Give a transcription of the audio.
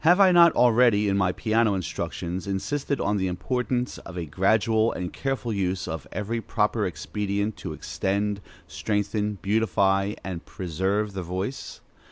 Have I not already, in my piano instructions, insisted on the importance of a gradual and careful use of every proper expedient to extend, strengthen, beautify, and preserve the voice?